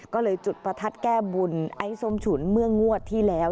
ก็เลยจุดประทัดแก้บุญไอ้ส้มฉุนเมื่องวดที่แล้ว